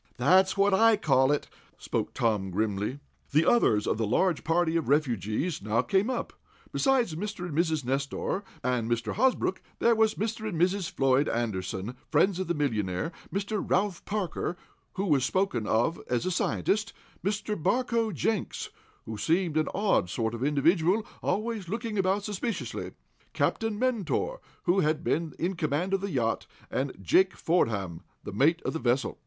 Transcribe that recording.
"That's what I call it," spoke Tom, grimly. The others of the larger party of refugees now came up. Besides Mr. and Mrs. Nestor, and Mr. Hosbrook, there was Mr. and Mrs. Floyd Anderson, friends of the millionaire; Mr. Ralph Parker, who was spoken of as a scientist, Mr. Barcoe Jenks, who seemed an odd sort of individual, always looking about suspiciously, Captain Mentor, who had been in command of the yacht, and Jake Fordam, the mate of the vessel.